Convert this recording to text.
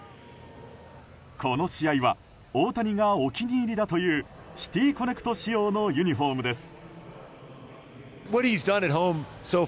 この試合は大谷がお気に入りだというシティ・コネクト仕様のユニホームです。